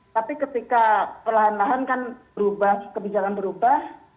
tapi ketika perlahan lahan kan berubah kebijakan berubah